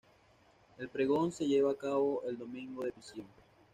El Pregón se lleva a cabo el Domingo de Pasión.